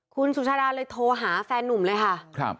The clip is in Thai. คุณสุชาดาเลยโทรหาแฟนนุ่มเลยค่ะ